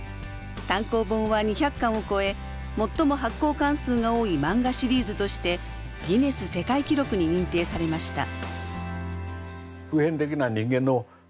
単行本は２００巻を超え最も発行巻数が多い漫画シリーズとしてギネス世界記録に認定されました。